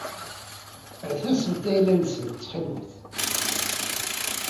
Rret-asent-d ayla-nsent ttxil-wet.